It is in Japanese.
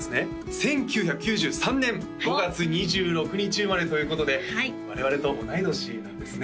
１９９３年５月２６日生まれということで我々と同い年なんですね